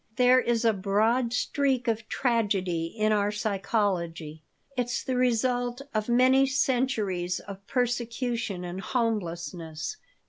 "There is a broad streak of tragedy in our psychology. It's the result of many centuries of persecution and homelessness.